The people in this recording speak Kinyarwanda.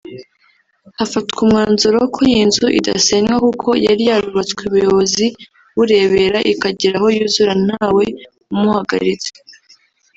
hafatwa umwanzuro ko iyo nzu idasenywa kuko yari yarubatswe ubuyobozi burebera ikagera aho yuzura ntawe umuhagaritse